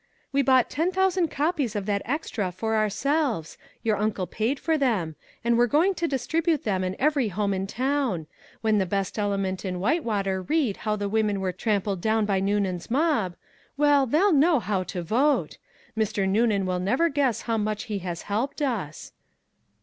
"We bought ten thousand copies of that extra for ourselves your uncle paid for them and we're going to distribute them in every home in town. When the best element in Whitewater read how the women were trampled down by Noonan's mob well, they'll know how to vote! Mr. Noonan will never guess how much he has helped us."